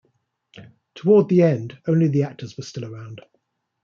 Toward the end, only the actors were still around.